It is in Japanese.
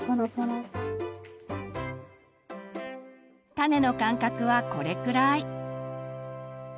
種の間隔はこれくらい。